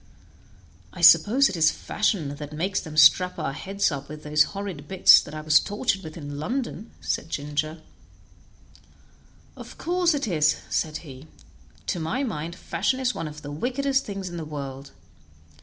"I suppose it is fashion that makes them strap our heads up with those horrid bits that I was tortured with in London," said Ginger. "Of course it is," said he; "to my mind, fashion is one of the wickedest things in the world.